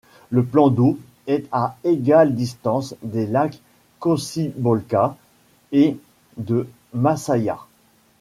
Le plan d'eau est à égale distance des lacs Cocibolca et de Masaya.